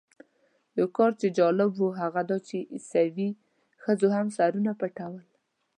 یو کار چې جالب و هغه دا چې عیسوي ښځو هم سرونه پټول.